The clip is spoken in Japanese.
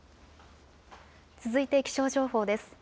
続いて気象情報です。